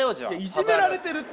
いじめられてるって。